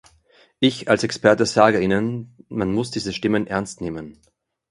Ich als Experte sage Ihnen, man muss diese Stimmen ernst nehmen.